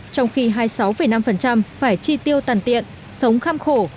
trong khi hai mươi sáu năm phải tri tiêu tàn tiện sống khám khổ